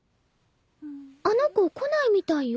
あの子来ないみたいよ。